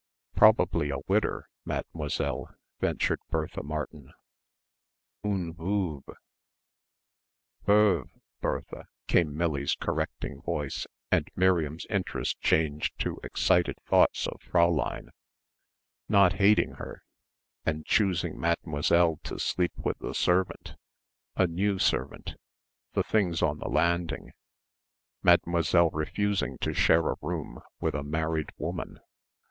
"Probably a widder, Mademoiselle," ventured Bertha Martin, "oon voove." "Verve, Bertha," came Millie's correcting voice and Miriam's interest changed to excited thoughts of Fräulein not hating her, and choosing Mademoiselle to sleep with the servant, a new servant the things on the landing Mademoiselle refusing to share a room with a married woman